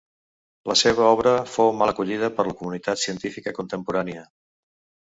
La seva obra fou mal acollida per la comunitat científica contemporània.